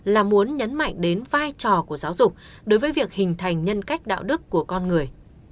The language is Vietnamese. là muốn nhấn mạnh đến vai trò của giáo dục đối với việc hình thành nhân cách đạo đức của con người